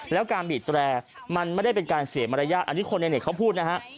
แล้วการบีดแตรมันไม่ได้เป็นการเสียมารยาทอันนี้คนในเน็ตเขาพูดนะฮะ